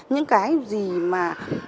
những cái gì mà